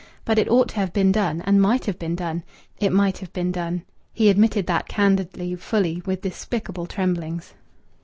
But it ought to have been done, and might have been done. It might have been done. He admitted that candidly, fully, with despicable tremblings....